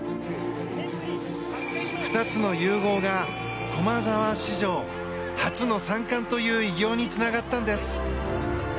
２つの融合が駒澤史上初の３冠という偉業につながったんです。